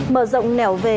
đã quan tâm theo dõi